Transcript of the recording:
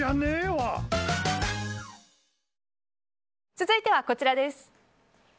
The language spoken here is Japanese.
続いてはこちらです。